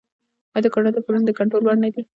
آیا د کاناډا پورونه د کنټرول وړ نه دي؟